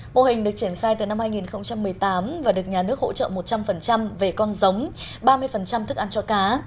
mô hình được triển khai từ năm hai nghìn một mươi tám và được nhà nước hỗ trợ một trăm linh về con giống ba mươi thức ăn cho cá